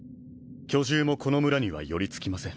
巨獣もこの村には寄りつきません。